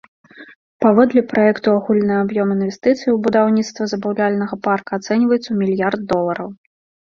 Паводле праекту агульны аб'ём інвестыцый ў будаўніцтва забаўляльнага парка ацэньваецца ў мільярд долараў.